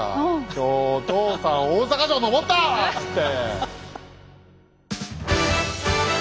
「今日お父さん大坂城登った！」っつって。